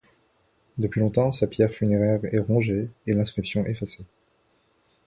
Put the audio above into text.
Depuis longtemps, sa pierre funéraire est rongée et l'inscription effacée.